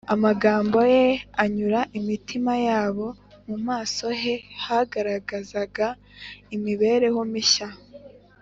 Amagambo ye anyura imitima yabo. Mu maso he hagaragarazaga imibereho mishya